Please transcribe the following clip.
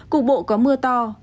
cục bộ có mưa to